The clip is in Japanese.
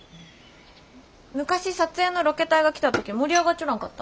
昔撮影のロケ隊が来た時盛り上がっちょらんかった？